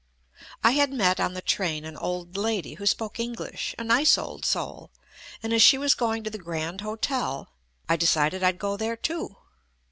I had met on the train an old lady who spoke English, a nice old soul, and as she was going to the Grand Hotel, I decided I'd go there too.